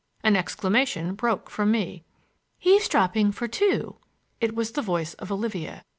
An exclamation broke from me. "Eavesdropping for two!"—it was the voice of Olivia.